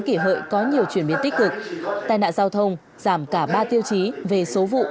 kỷ hợi có nhiều chuyển biến tích cực tai nạn giao thông giảm cả ba tiêu chí về số vụ